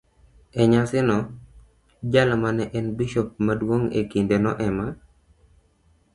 E nyasino, jal ma ne en bisop maduong' e kindeno ema